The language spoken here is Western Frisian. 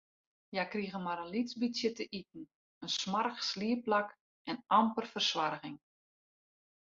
Hja krigen mar in lyts bytsje te iten, in smoarch sliepplak en amper fersoarging.